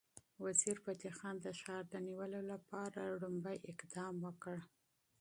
وزیرفتح خان د ښار د نیولو لپاره لومړی اقدام وکړ.